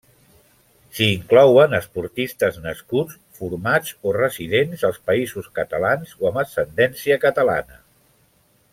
S'hi inclouen esportistes nascuts, formats o residents als Països Catalans o amb ascendència catalana.